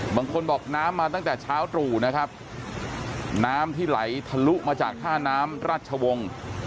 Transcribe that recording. บางคนบอกน้ำมาตั้งแต่เช้าตรู่นะครับน้ำที่ไหลทะลุมาจากท่าน้ำราชวงศ์